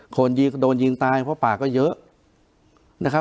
คนโดนยิงตายเพราะปากก็เยอะ